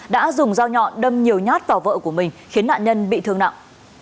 đã dùng dao nhọn đâm nhiều nhát vào vợ của mình khiến nạn nhân bị thương nặng